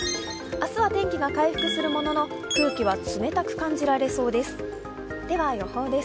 明日は天気が回復するものの空気は冷たく感じられそうです。